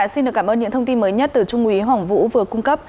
vâng ạ xin được cảm ơn những thông tin mới nhất từ trung úy hỏng vũ vừa cung cấp